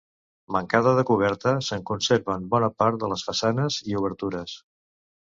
Mancada de coberta, se'n conserven bona part de les façanes i obertures.